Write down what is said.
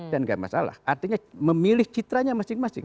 dan tidak masalah artinya memilih citranya masing masing